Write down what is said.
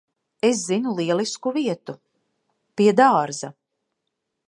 Es zinu lielisku vietu. Pie dārza.